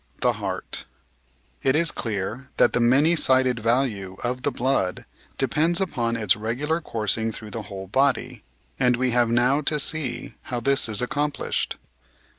The Heart It is clear that the many sided value of the blood depends upon its regular coursing through the whole body, and we have now to see how this is accomplished.